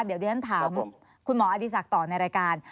เดี๋ยวดิฉันถามคุณหมออดีศักดิ์ต่อในรายการ